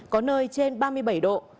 có nơi trên ba mươi bảy độ